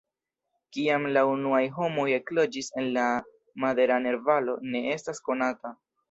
Kiam la unuaj homoj ekloĝis en la Maderaner-Valo ne estas konata.